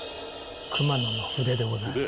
熊野の筆でございます。